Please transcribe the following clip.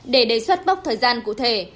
để đề xuất bốc thời gian cụ thể